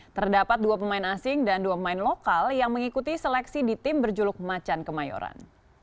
terdapat dua pemain asing dan dua pemain lokal yang mengikuti seleksi di tim berjuluk macan kemayoran